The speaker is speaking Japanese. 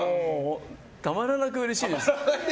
たまらなくうれしいです。